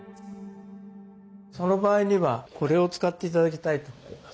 その場合にはこれを使って頂きたいと思います。